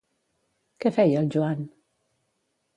Què feia el Joan?